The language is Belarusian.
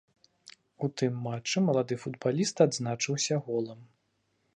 У тым матчы малады футбаліст адзначыўся голам.